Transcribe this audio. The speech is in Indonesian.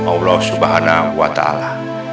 allah subhanahu wa ta'ala